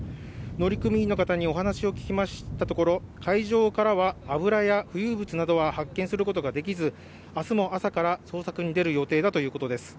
乗組員の方にお話を聞きましたところ、会場からは油や浮遊物を発見することができず明日も朝から捜索に出る予定だということです。